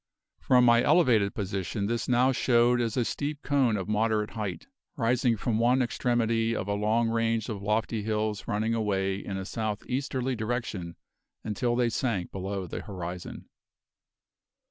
From my elevated position this now showed as a steep cone of moderate height rising from one extremity of a long range of lofty hills running away in a south easterly direction until they sank below the horizon.